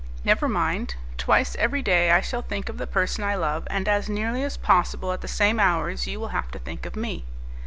"Never mind. Twice every day I shall think of the person I love, and as nearly as possible at the same hours you will have to think of me."